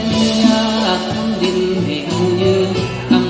สวัสดีทุกคน